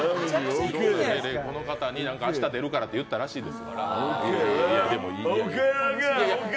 この方に、明日出るからって言ったらしいです。